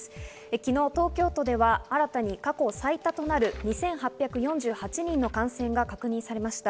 昨日、東京都では新たに過去最多となる２８４８人の感染が確認されました。